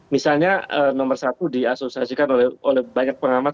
misalnya nomor satu diasosiasikan oleh banyak pengamat